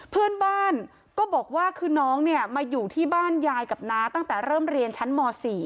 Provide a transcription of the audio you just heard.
เพื่อนบ้านก็บอกว่าคือน้องเนี่ยมาอยู่ที่บ้านยายกับน้าตั้งแต่เริ่มเรียนชั้นม๔